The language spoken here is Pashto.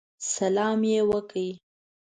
سلام یې وکړ.